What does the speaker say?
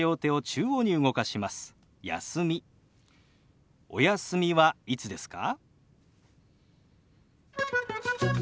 次のお休みはいつですか？